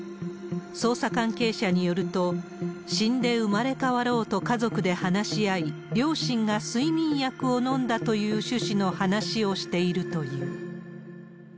捜査関係者によると、死んで生まれ変わろうと家族で話し合い、両親が睡眠薬を飲んだという趣旨の話をしているという。